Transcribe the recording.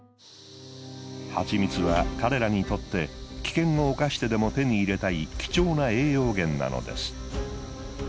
蜂蜜は彼らにとって危険を冒してでも手に入れたい貴重な栄養源なのです。